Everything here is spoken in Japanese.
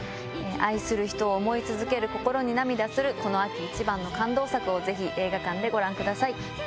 愛する人を思い続ける心に涙するこの秋一番の感動作をぜひ映画館でご覧ください。